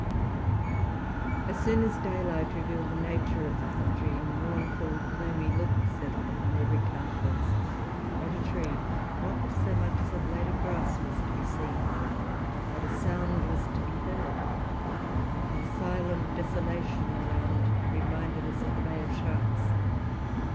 "As soon as daylight revealed the nature of the country, a mournful gloomy look settled upon every countenance. Not a tree, not so much as a blade of grass was to be seen, not a sound was to be heard, and the silent desolation around reminded us of the Bay of Sharks." [Illustration: Berkeley Sound, in the Falkland Islands.